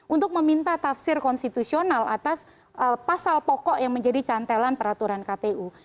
untuk meminta tafsir konstitusional atas pasal pokok yang menjadi cantelan peraturan kpu